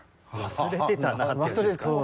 「忘れてたな」っていうやつですか？